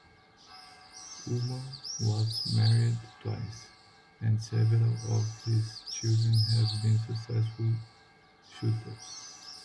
Ullman was married twice, and several of his children have been successful shooters.